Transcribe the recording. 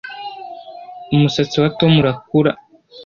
Umusatsi wa Tom urakura